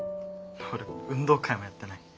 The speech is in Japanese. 俺運動会もやってない。